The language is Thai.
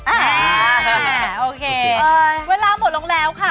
โอเคเวลาหมดลงแล้วค่ะ